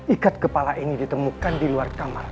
ikat kepala ini ditemukan di luar kamar